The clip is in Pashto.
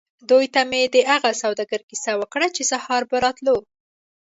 دوی ته مې د هغه سوداګر کیسه وکړه چې سهار به راتلو.